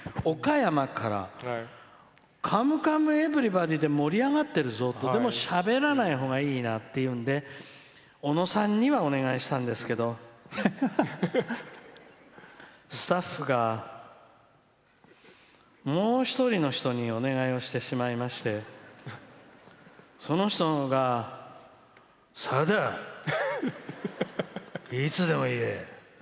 岡山から「カムカムエヴリバディ」で盛り上がってるぞってとてもしゃべらないほうがいいなってことで小野さんにはお願いしたんですけどスタッフが、もう一人の人にお願いをしてしまいましてその人が「さだ！いつでも言え！